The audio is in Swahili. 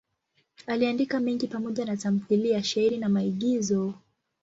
Aliandika mengi pamoja na tamthiliya, shairi na maigizo.